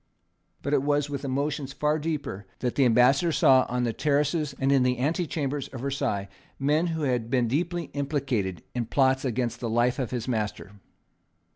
But it was with emotions far deeper that the Ambassador saw on the terraces and in the antechambers of Versailles men who had been deeply implicated in plots against the life of his master.